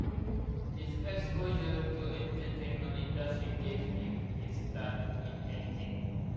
This exposure to the entertainment industry gave him his start in acting.